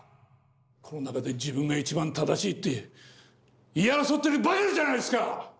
この中で自分が一番正しいって言い争ってるばかりじゃないですか！